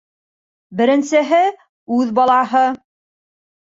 Беренсеһе - үҙ балаһы.